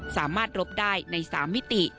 สามารถรบได้ใน๓มิติ